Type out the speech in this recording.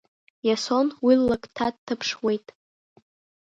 Иасон уи ллакҭа дҭаԥшуеит.